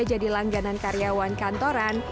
jadi langganan karyawan kantoran